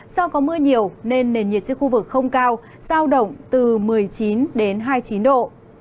do có mưa nhiều nên nền nhiệt trên khu vực không cao giao động từ một mươi chín đến hai mươi chín độ